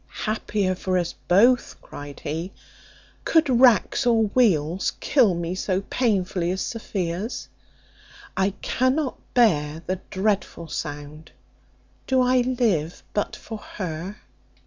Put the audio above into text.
"Happier for us both!" cried he. "Could racks or wheels kill me so painfully as Sophia's I cannot bear the dreadful sound. Do I live but for her?"